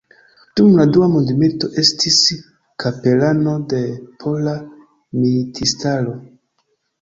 Dum la dua mondmilito estis kapelano de Pola Militistaro.